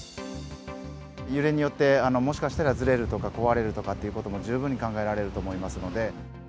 揺れによって、もしかしたらずれるとか、壊れるとかっていうことも十分考えられると思いますので。